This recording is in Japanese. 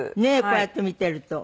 こうやって見てると。